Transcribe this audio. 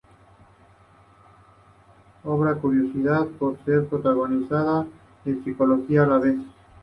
Obra curiosa por ser propagandística y psicológica a la vez.